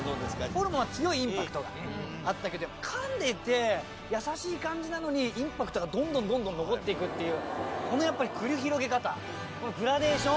ホルモンは強いインパクトがあったけど噛んでいてやさしい感じなのにインパクトがどんどんどんどん残っていくっていうこの繰り広げ方このグラデーション？